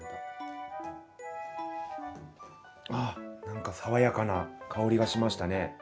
あ何か爽やかな香りがしましたね。